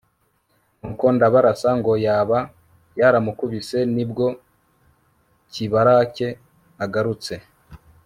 nuko ndabarasa ngo yaba yaramukubise ni bwo kibarake agarutse